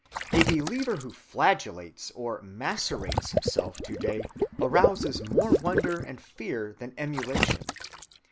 A believer who flagellates or "macerates" himself to‐day arouses more wonder and fear than emulation.